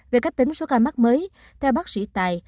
về cách tính số ca mắc mới theo bác sĩ tài